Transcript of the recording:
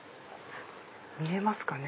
見えますかね？